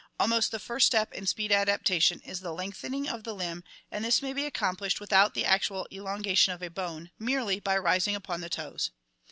Almost the first step in speed adaptation is the lengthening of the limb and this may be accomplished without the actual elongation of a bone, merely by rising upon the toes.